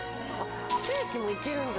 ステーキもいけるんじゃない？